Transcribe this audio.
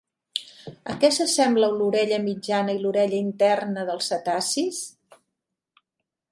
A què s'assembla l'orella mitjana i l'orella interna dels cetacis?